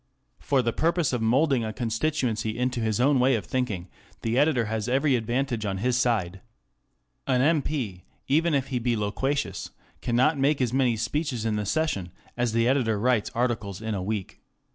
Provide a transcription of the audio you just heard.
For the purpose of moulding a constituency into his own way of thinking, the editor has every advantage on his side. An M.P., even if he be loquacious, cannot make as many speeches in the session as the editor writes articles in a week.